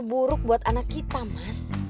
buruk buat anak kita mas